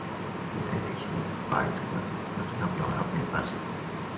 In the encore he was greeted by thousands of fans wishing him happy birthday.